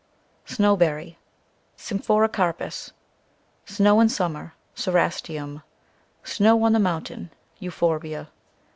Snowberry, cc Symphoricarpus. i Snow in Summer, cc Cerastium. Snow on the Mountain, cc Euphorbia.